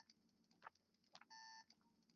په درملنه کې پراخه ساحه ولري.